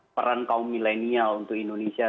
peran kaum milenial untuk indonesia